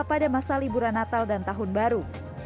pada masa liburan natal dan tahun baru